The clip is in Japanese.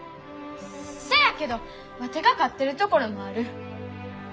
せやけどワテが勝ってるところもある。